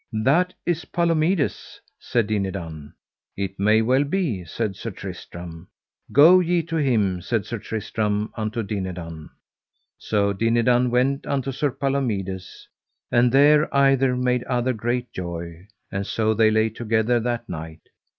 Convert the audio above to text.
That is Palomides, said Dinadan. It may well be, said Sir Tristram. Go ye to him, said Sir Tristram unto Dinadan. So Dinadan went unto Sir Palomides, and there either made other great joy, and so they lay together that night.